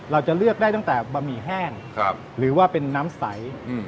เราจะเลือกได้ตั้งแต่บะหมี่แห้งหรือว่าเป็นน้ำใส